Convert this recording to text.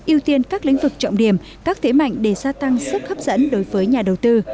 ưu tiên các lĩnh vực trọng điểm các thế mạnh để gia tăng sức hấp dẫn đối với nhà đầu tư